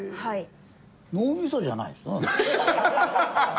脳みそじゃないよな？